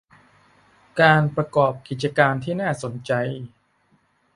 การประกอบกิจการที่น่าสนใจ